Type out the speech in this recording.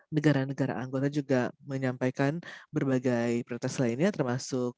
negara negara anggota juga menyampaikan berbagai prioritas lainnya termasuk